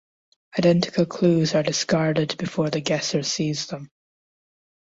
Identical clues are discarded before the guesser sees them.